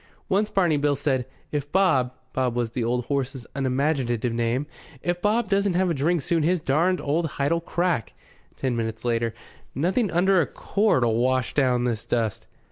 Once Barney Bill said: "If Bob" Bob was the old horse's unimaginative name "if Bob doesn't have a drink soon his darned old hide'll crack." Ten minutes later: "Nothing under a quart'll wash down this dust."